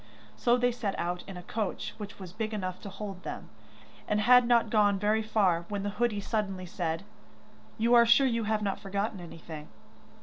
So they set out in a coach which was big enough to hold them, and had not gone very far when the hoodie suddenly said: 'You are sure you have not forgotten anything?